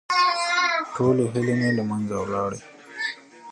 ټولې هيلې مې له منځه ولاړې.